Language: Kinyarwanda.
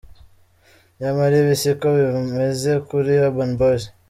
Nyamara ibi siko bimeze kuri Urban boyz.